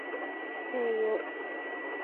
うぇいよ